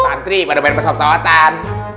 antri pada main pesawat pesawatan